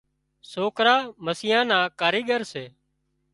سوڪرا مسيان نا ڪاريڳر سي